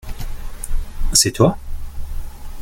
C’est toi ?